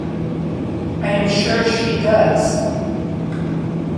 I am sure she does.